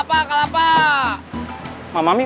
masih ada yang nangis